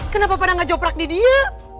kenapa pada gak joprak di dia